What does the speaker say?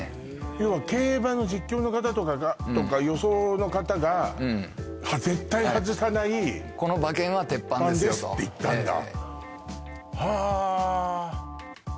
要は競馬の実況の方とか予想の方が絶対外さない鉄板ですって言ったんだ？